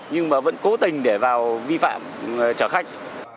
nhưng mà vẫn cố tình để vào vi phạm trở khách